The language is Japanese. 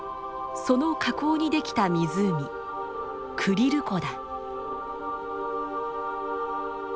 その火口にできた湖クリル湖だ。